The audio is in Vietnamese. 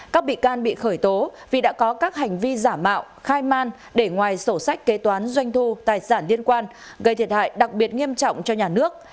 các bị can bị khởi tố vì đã có các hành vi giả mạo khai man để ngoài sổ sách kế toán doanh thu tài sản liên quan gây thiệt hại đặc biệt nghiêm trọng cho nhà nước